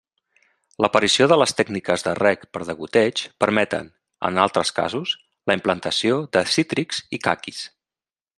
L'aparició de les tècniques de reg per degoteig permeten, en altres casos, la implantació de cítrics i caquis.